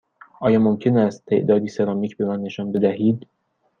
آیا ممکن است تعدادی سرامیک به من نشان بدهید؟